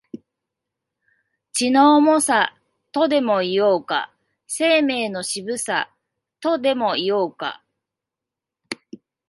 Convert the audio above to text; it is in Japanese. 血の重さ、とでも言おうか、生命の渋さ、とでも言おうか、